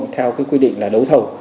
theo cái quy định là đấu thầu